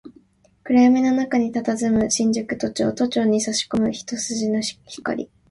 暗闇の中に佇む新宿都庁、都庁に差し込む一筋の光